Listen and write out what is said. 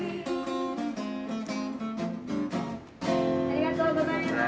ありがとうございます。